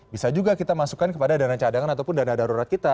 bisa juga kita masukkan kepada dana cadangan ataupun dana darurat kita